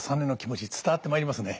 伝わってまいりますね。